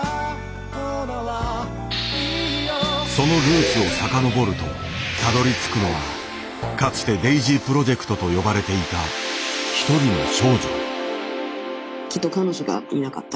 そのルーツを遡るとたどりつくのはかつて「ＤＡＩＳＹプロジェクト」と呼ばれていた一人の少女。